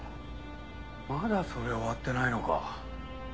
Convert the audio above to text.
まだそれ終わってないのか。